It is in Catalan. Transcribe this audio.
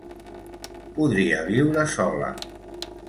Podria viure sola.